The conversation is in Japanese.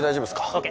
ＯＫ